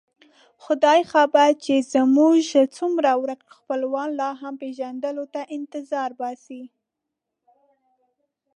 خدای خبر چې زموږ څومره ورک خپلوان لا هم پېژندلو ته انتظار باسي.